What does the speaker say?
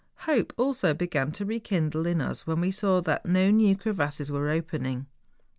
Hope also began to rekindle in us when we saw that no new crevasses were opening.